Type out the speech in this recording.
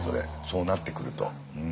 そうなってくると。